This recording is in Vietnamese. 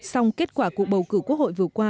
xong kết quả cuộc bầu cử quốc hội vừa qua